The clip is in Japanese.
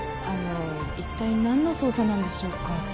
あの一体何の捜査なんでしょうか？